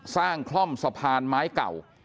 สร้างคล่อมสะพานไม้เก่า